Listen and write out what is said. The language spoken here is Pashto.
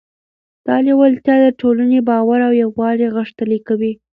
دا لیوالتیا د ټولنې باور او یووالی غښتلی کوي.